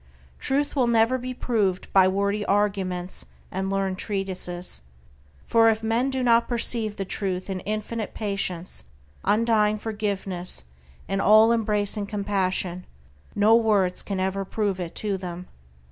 Truth will never be proved by wordy arguments and learned treatises, for if men do not perceive the Truth in infinite patience, undying forgiveness, and all embracing compassion, no words can ever prove it to them.